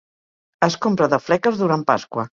Es compra de fleques durant pasqua.